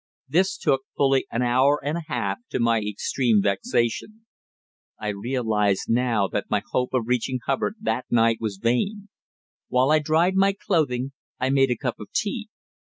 This took fully an hour and a half, to my extreme vexation. I realised now that my hope of reaching Hubbard that night was vain. While I dried my clothing, I made a cup of tea.